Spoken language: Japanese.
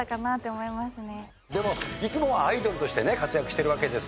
でもいつもはアイドルとしてね活躍してるわけですけども。